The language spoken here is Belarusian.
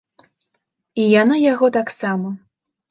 І яна яго таксама.